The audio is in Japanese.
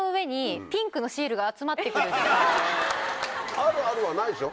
「あるある」はないでしょ？